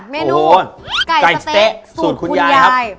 เมนูไก่เต๊ะสูตรคุณยายครับ